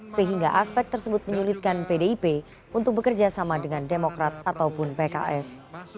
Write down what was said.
sehingga aspek tersebut menyulitkan pdip untuk bekerja sama dengan demokrat ataupun pks